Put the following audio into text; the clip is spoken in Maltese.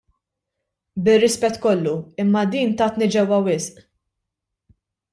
Bir-rispett kollu, imma din tatni ġewwa wisq!